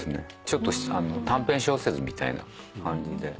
ちょっと短編小説みたいな感じで。